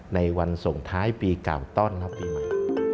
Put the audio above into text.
ในวันส่งท้ายปีกล่าวตอนแล้วปีใหม่